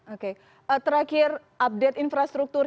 oke terakhir update infrastruktur